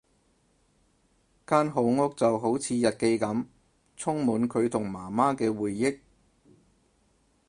間好屋就好似日記噉，充滿佢同媽媽嘅回憶